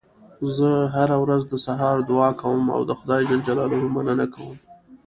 زه هره ورځ د سهار دعا کوم او د خدای ج مننه کوم